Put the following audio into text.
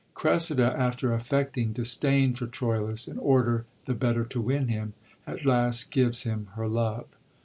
Oressida, after affecting disdain for Troilus, in order the better to win him, at last gives him her love.